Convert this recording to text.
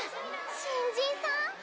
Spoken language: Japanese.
新人さん？